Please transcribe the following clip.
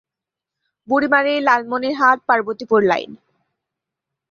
Burimari-Lalmonirhat-Parbatipur line